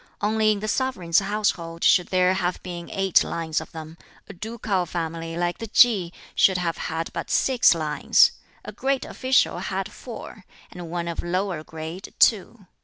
Only in the sovereign's household should there have been eight lines of them; a ducal family like the Ki should have had but six lines; a great official had four, and one of lower grade two.